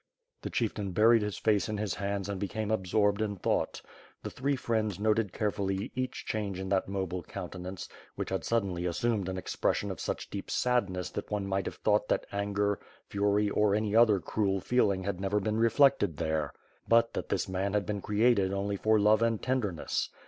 The chieftain buried his face in his hands and became ab sorbed in thought. The three friends noted carefully each change in that mobile countenance, which had suddenly as sumed an expression of such deep sadness that one might have thought that anger, fury, or any other cruel feeling had never been reflected there, but that this man had been cre ated only for love and tenderness.